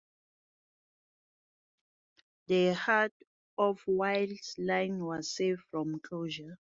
The Heart of Wales Line was saved from closure.